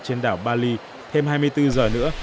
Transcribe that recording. trên đảo bali thêm hai mươi bốn giờ nữa